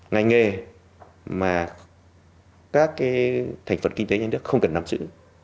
ngành nghề mà các cái thành phần kinh tế nhà nước không cần nắm giữ